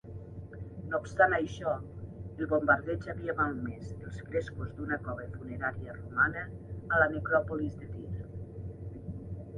No obstant això, el bombardeig havia malmès els frescos d'una cova funerària romana a la Necròpolis de Tir.